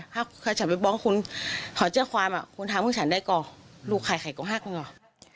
ถ้าเค้าจะไปบอกคุณขอเจื้อความคุณทำพวกฉันได้ก็ลูกใครไข่กองห้าคุณหรอ